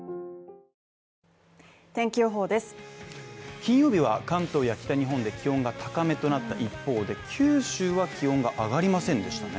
金曜日は関東や北日本で気温が高めとなった一方で九州は気温が上がりませんでしたね